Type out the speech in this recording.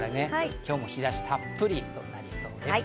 今日も日差したっぷりとなりそうです。